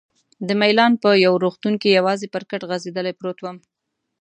د میلان په یو روغتون کې یوازې پر کټ غځېدلی پروت وم.